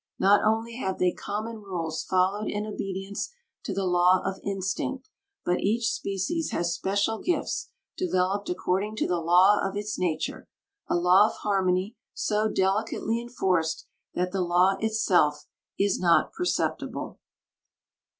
Not only have they common rules followed in obedience to the law of instinct, but each species has special gifts developed according to the law of its nature, a law of harmony so delicately enforced that the law itself is not perceptible.